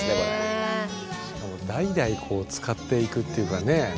代々使っていくっていうかね。